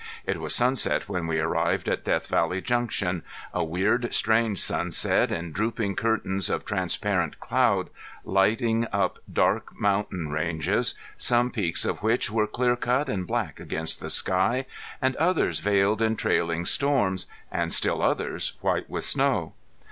It was sunset when we arrived at Death Valley Junction a weird, strange sunset in drooping curtains of transparent cloud, lighting up dark mountain ranges, some peaks of which were clear cut and black against the sky, and others veiled in trailing storms, and still others white with snow.